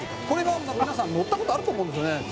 「これは皆さん乗った事あると思うんですよね」